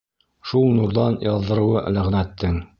Шул нурҙан яҙҙырыуы ләғнәттең.